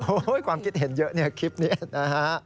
โอ้โหความคิดเห็นเยอะเนี่ยคลิปนี้นะฮะ